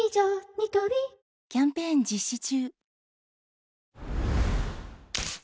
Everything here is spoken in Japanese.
ニトリキャンペーン実施中プシュ！